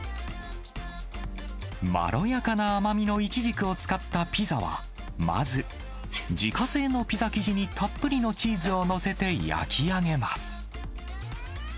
まろやかな甘みのイチジクを使ったピザは、まず、自家製のピザ生地にたっぷりのチーズを載せて焼き上げます。